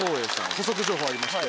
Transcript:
補足情報ありまして。